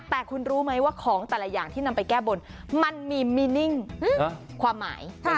แต่คุณรู้ไหมว่าของแต่ละอย่างที่นำไปแก้บนมันมีมินิ่งความหมาย